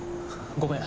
ごめん。